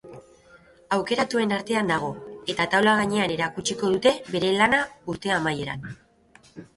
Aukeratuen artean dago eta taula gainean erakutsiko dute bere lana urte amaieran.